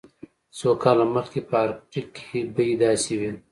څو کاله مخکې په ارکټیک کې بیې داسې وې